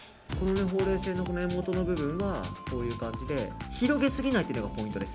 ほうれい線の根元の部分はこういう感じで広げすぎないのがポイントです。